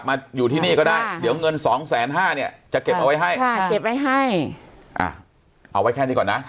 มาอยู่ที่นี่ก็ได้เดี๋ยวเงิน๒๕๐๐๐๐เนี่ยจะเก็บละไห้ให้เอาไว้แค่นี้ก่อนนะ